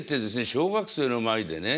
小学生の前でね。